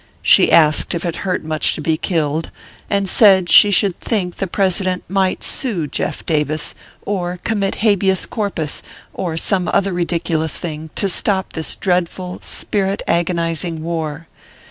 She asked if it hurt much to be killed, and said she should think the President might sue Jeff Davis, or commit habeas corpus or some other ridiculous thing, to stop this dreadful, spirit agonizing war.